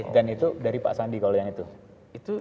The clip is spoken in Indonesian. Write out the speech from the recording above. dan itu dari pak sandi kalau yang itu